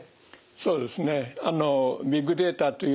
そうですね。